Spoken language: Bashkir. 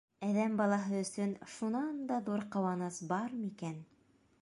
Әҙәм балаһы өсөн шунан да ҙур ҡыуаныс бармы икән?